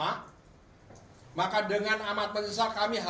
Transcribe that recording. orang johnsons lakukan sekaligusihen